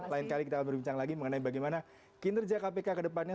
lain kali kita akan berbincang lagi mengenai bagaimana kinerja kpk ke depannya